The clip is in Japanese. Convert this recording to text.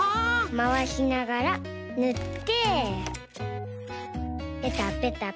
まわしながらぬってペタペタペタ。